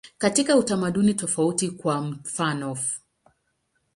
Katika utamaduni tofauti, kwa mfanof.